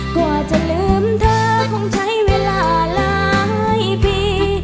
กว่าจะลืมเธอคงใช้เวลาหลายปี